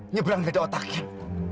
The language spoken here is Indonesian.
nyebrang di daun takir